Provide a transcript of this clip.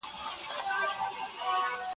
وځانته به غوسه وې چي غوسه به دي کوله